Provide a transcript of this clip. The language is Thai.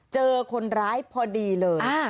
เจอคนร้ายพอดีเลย